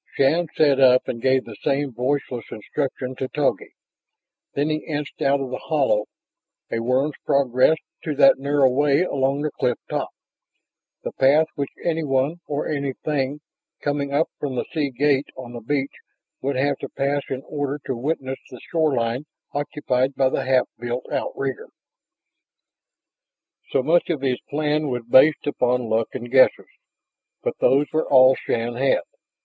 Shann sat up and gave the same voiceless instruction to Togi. Then he inched out of the hollow, a worm's progress to that narrow way along the cliff top the path which anyone or anything coming up from that sea gate on the beach would have to pass in order to witness the shoreline occupied by the half built outrigger. So much of his plan was based upon luck and guesses, but those were all Shann had.